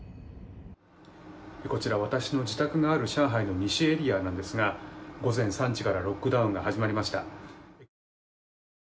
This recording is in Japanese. こちら私の自宅がある上海の西エリアなんですが午前３時からロックダウンが始まりました。